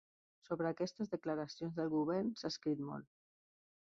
Sobre aquestes declaracions del govern s'ha escrit molt.